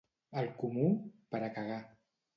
El comú... per a cagar.